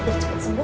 biar cepet sembuh